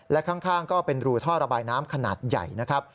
และข้างก็เป็นรูท่อระบายน้ำขนาดใหญ่นะครับ